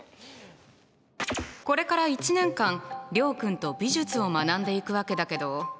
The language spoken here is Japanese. これから一年間諒君と美術を学んでいくわけだけど。